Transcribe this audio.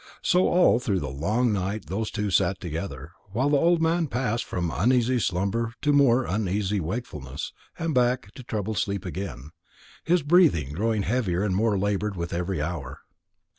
So all through the long night those two sat together, while the old man passed from uneasy slumber to more uneasy wakefulness, and back to troubled sleep again, his breathing growing heavier and more laboured with every hour.